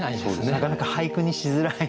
なかなか俳句にしづらい。